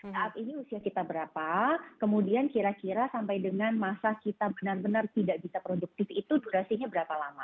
saat ini usia kita berapa kemudian kira kira sampai dengan masa kita benar benar tidak bisa produktif itu durasinya berapa lama